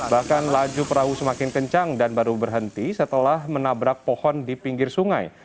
bahkan laju perahu semakin kencang dan baru berhenti setelah menabrak pohon di pinggir sungai